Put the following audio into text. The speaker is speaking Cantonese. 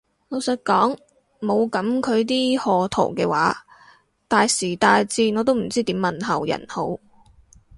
老實講冇噉佢啲賀圖嘅話，大時大節我都唔知點問候人好